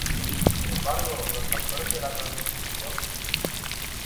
Sin embargo, los factores de la transcripción??